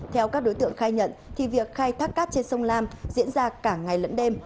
theo các đối tượng khai nhận thì việc khai thác cát trên sông lam diễn ra cả ngày lẫn đêm